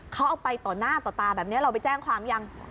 เขาเอาไปต่อหน้าต่อตาแบบนี้เราไปแจ้งความยัง